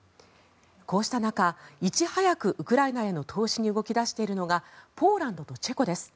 こうした中、いち早くウクライナへの投資に動き出しているのがポーランドとチェコです。